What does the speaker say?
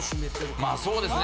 まあそうですね。